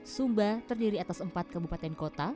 sumba terdiri atas empat kabupaten kota